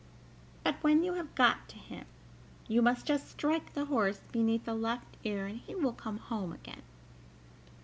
But when you have got to him you must just strike the horse beneath the left ear, and he will come home again."